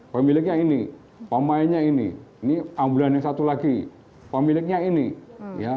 pemiliknya ini pemainnya ini ini ambulan yang satu lagi pemiliknya ini ya